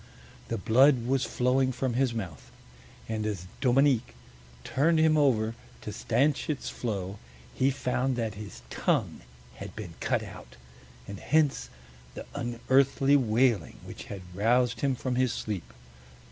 The blood was flowing from his mouth, and as Dominic turned him over to stanch its flow, he found that his tongue had been cut out, and hence the unearthly wailing which had roused him from his sleep.